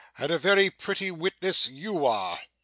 'And a very pretty witness YOU are!